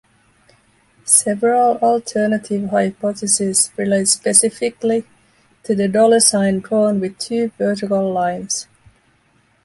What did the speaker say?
Several alternative hypotheses relate specifically to the dollar sign drawn with two vertical lines.